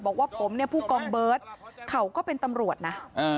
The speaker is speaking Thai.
บอกว่าผมเนี่ยผู้กองเบิร์ตเขาก็เป็นตำรวจนะ